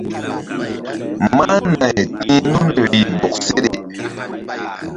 Máh nay ti̧h nun rih bɔk seɗe.